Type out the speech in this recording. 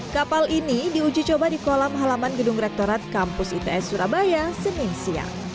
kapal ini diuji coba di kolam halaman gedung rektorat kampus its surabaya senin siang